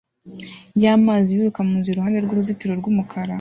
yamazi biruka munzira iruhande rwuruzitiro rwumukara